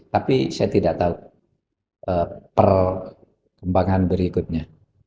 tapi saya tidak tahu perkembangan berikutnya